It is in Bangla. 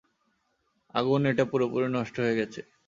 আগুণে এটা পুরোপুরি পুড়ে নষ্ট হয়ে গেছে।